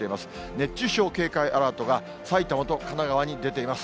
熱中症警戒アラートが、埼玉と神奈川に出ています。